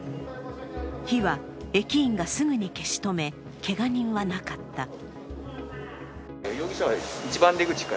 火は駅員がすぐに消し止めけが人はなかった。